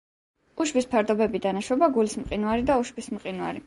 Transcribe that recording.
უშბის ფერდობებიდან ეშვება: გულის მყინვარი და უშბის მყინვარი.